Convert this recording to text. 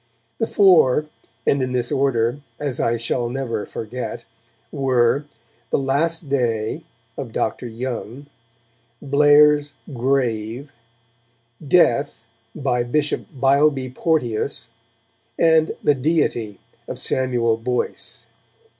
The four and in this order, as I never shall forget were 'The Last Day' of Dr Young, Blair's 'Grave', 'Death' by Bishop Beilby Porteus, and 'The Deity' of Samuel Boyse.